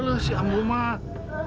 loh si amu mak